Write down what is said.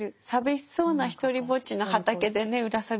さびしそうなひとりぼっちの畑でねうら